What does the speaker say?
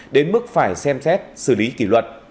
đến mức phải xem xét xử lý kỷ luật